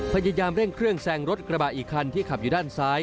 พยายามเร่งเครื่องแซงรถกระบะอีกคันที่ขับอยู่ด้านซ้าย